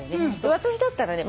私だったらね